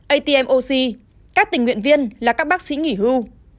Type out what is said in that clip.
atm oc các tình nguyện viên là các bác sĩ nghỉ hưu